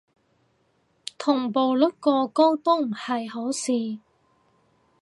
同步率過高都唔係好事